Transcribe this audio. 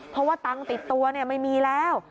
เพราะว่าตังค์ติดตัวไม่มีแล้ว